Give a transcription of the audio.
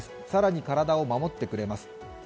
さらに体を守ってくれます。